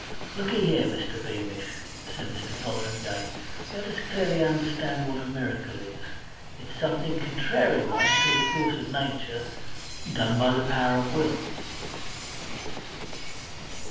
"Looky here, Mr. Beamish," said Mr. Fotheringay. "Let us clearly understand what a miracle is. It's something contrariwise to the course of nature done by power of Will..."